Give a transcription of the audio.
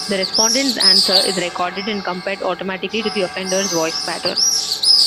The respondent's answer is recorded and compared automatically to the offender's voice pattern.